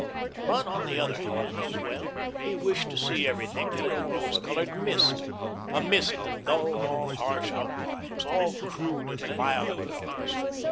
But, on the other hand, as well, he wished to see everything through a rose coloured mist a mist that dulled all harsh outlines, all crude and violent colours.